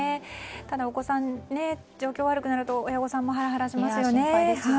ただお子さん、状況悪くなると親御さんもハラハラしますよね。